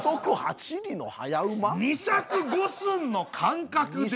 ２尺５寸の間隔で。